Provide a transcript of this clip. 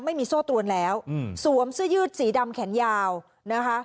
ไม่มีโซ่ตรวนแล้วอืมสวมเสื้อยืดสีดำแขนยาวนะคะ